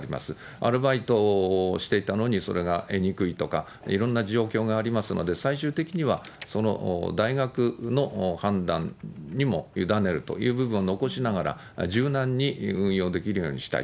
アルバイトをしていたのにそれが得にくいとか、いろんな状況がありますので、最終的にはその大学の判断にも委ねるという部分を残しながら、柔軟に運用できるようにしたい。